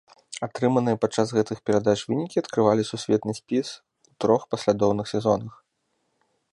Атрыманыя падчас гэтых перадач вынікі адкрывалі сусветны спіс у трох паслядоўных сезонах.